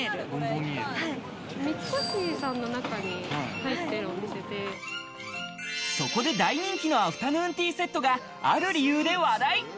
三越さんの中に入ってるお店で、そこで大人気のアフタヌーンティーセットがある理由で話題。